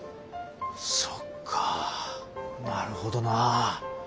そっかなるほどな。